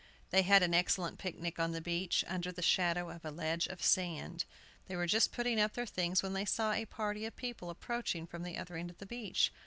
They had an excellent picnic on the beach, under the shadow of a ledge of sand. They were just putting up their things when they saw a party of people approaching from the other end of the beach.